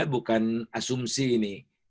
bukan asumsi ini